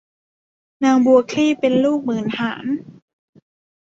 นางบัวคลี่เป็นลูกหมื่นหาญ